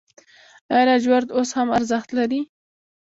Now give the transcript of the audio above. آیا لاجورد اوس هم ارزښت لري؟